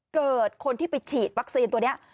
เกิดคนที่ไปฉีดวัคซีนตัวนี้